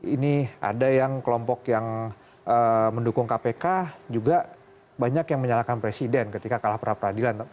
ini ada yang kelompok yang mendukung kpk juga banyak yang menyalahkan presiden ketika kalah peradilan